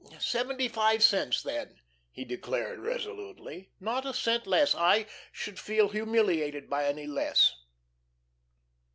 "Seventy five cents, then," he declared resolutely. "Not a cent less. I should feel humiliated with any less."